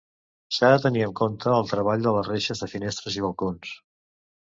S'ha de tenir en compte el treball de les reixes de finestres i balcons.